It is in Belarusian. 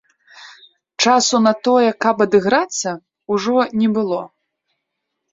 Часу на тое, каб адыграцца, ужо не было.